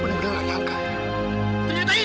lu gak suka campur